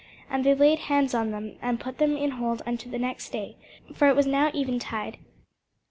And they laid hands on them, and put them in hold unto the next day: for it was now eventide.